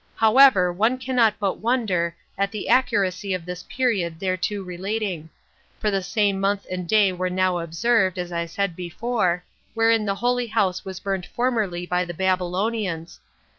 However, one cannot but wonder at the accuracy of this period thereto relating; for the same month and day were now observed, as I said before, wherein the holy house was burnt formerly by the Babylonians.